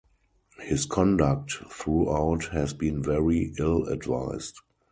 His conduct throughout has been very ill-advised.